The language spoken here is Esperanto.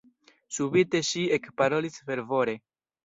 Subite ŝi ekparolis fervore: